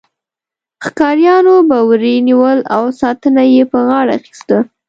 ښکاریانو به وري نیول او ساتنه یې په غاړه اخیسته.